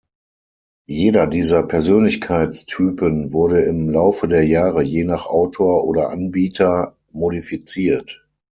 Jeder dieser Persönlichkeitstypen wurde im Laufe der Jahre je nach Autor oder Anbieter modifiziert.